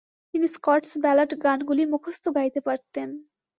তিনি Scots ballad গানগুলি মুখস্থ গাইতে পারতেন।